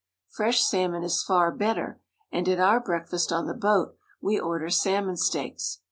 Fresh salm on is far better, and at our breakfast on the boat we order salmon steaks.